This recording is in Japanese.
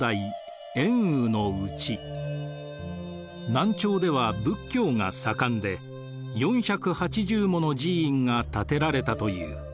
「南朝では仏教が盛んで４８０もの寺院が建てられたという。